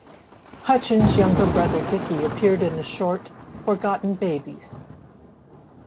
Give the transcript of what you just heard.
Hutchins's younger brother Dickie appeared in the short "Forgotten Babies".